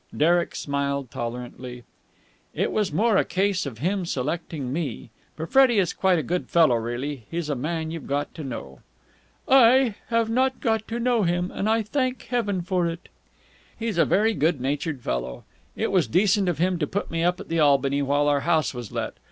Derek smiled tolerantly. "It was more a case of him selecting me. But Freddie is quite a good fellow really. He's a man you've got to know." "I have not got to know him, and I thank heaven for it!" "He's a very good natured fellow. It was decent of him to put me up at the Albany while our house was let.